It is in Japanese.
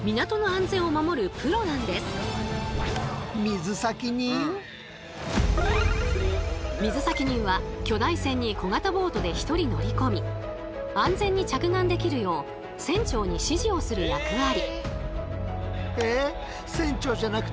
水先人と呼ばれる水先人は巨大船に小型ボートで一人乗りこみ安全に着岸できるよう船長に指示をする役割。